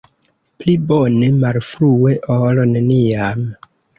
Pli bone malfrue, ol neniam.